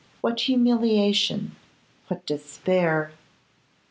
What humiliation! what despair!